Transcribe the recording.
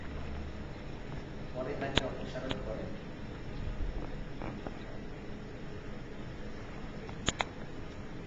পরে তাকে অপসারণ করেন।